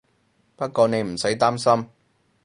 不過你唔使擔心